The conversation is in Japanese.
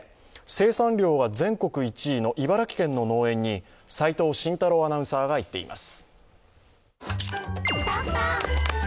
生産量が全国１位の茨城県の農園に齋藤慎太郎アナウンサーが行っています。